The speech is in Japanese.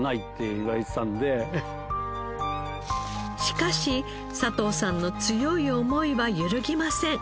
しかし佐藤さんの強い思いは揺るぎません。